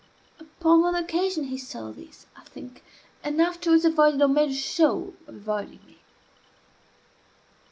Upon one occasion he saw this, I think, and afterwards avoided or made a show of avoiding me.